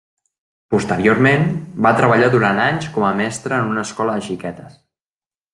Posteriorment, va treballar durant anys com a mestra en una escola de xiquetes.